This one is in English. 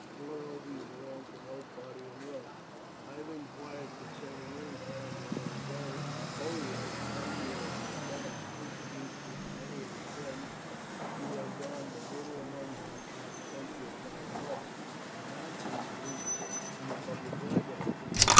Moreover, you belong to no party in Rome. I have inquired concerning you, and find that although Pollio, the nephew of Norbanus, introduced you to many of his friends, you have gone but little among them, but have spent your time much, when not in the ludus, in the public libraries.